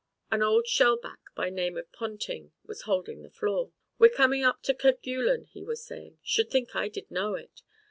An old shell back by name of Ponting was holding the floor. "We're comin' up to Kerguelen," he was saying. "Should think I did know it.